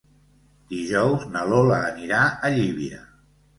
Dijous na Lola anirà a Llívia.